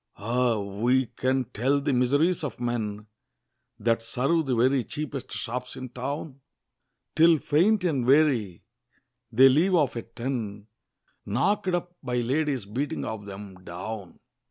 Ah! who can tell the miseries of men That serve the very cheapest shops in town? Till faint and weary, they leave off at ten, Knock'd up by ladies beating of 'em down!